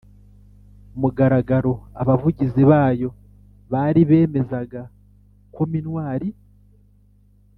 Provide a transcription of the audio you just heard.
mugaragaro. abavugizi bayo bari bemezaga ko minuar